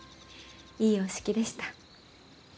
いいお式でした。